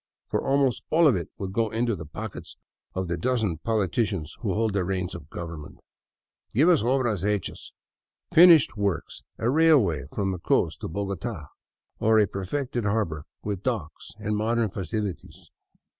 For almost all of it would go into the pockets of the dozen poli ticians who hold the reins of government. Give us ohras hechas, — finished works, — a railway from the coast to Bogota, or a perfected harbor with docks and modern facilities."